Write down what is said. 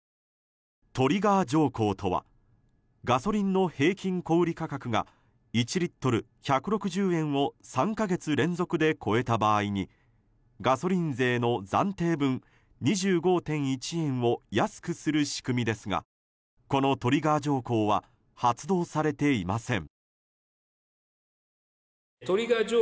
トリガー条項とはガソリンの平均小売価格が１リットル＝１６０円を３か月連続で超えた場合にガソリン税の暫定分２５．１円を安くする仕組みですがこのトリガー条項は発動されていません。